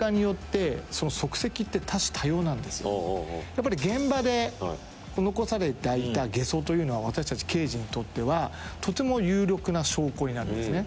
やっぱり現場で残されたゲソというのは私たち刑事にとってはとても有力な証拠になるんですね。